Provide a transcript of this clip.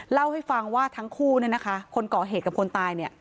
เล่าให้ฟังว่าทั้งคู่คนก่อเหตุกับคนตาย